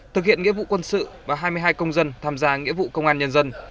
thực hiện nghĩa vụ quân sự và hai mươi hai công dân tham gia nghĩa vụ công an nhân dân